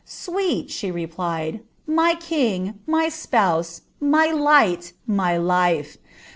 ^ Sweet," she replied, ^ my king, my spouse, my light, my life!